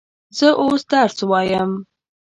زه اوس درس وایم.